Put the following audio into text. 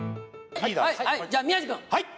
はい、じゃあ、宮治君。